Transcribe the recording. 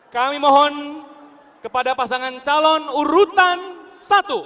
kami mohon kepada pasangan calon urutan satu untuk diikuti